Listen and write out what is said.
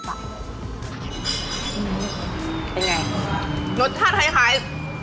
เป็นไงรสชาติคล้าย